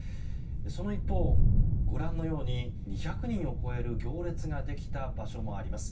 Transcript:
その一方、ご覧のように２００人を超える行列ができた場所もあります。